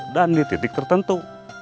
dan di titik tertentu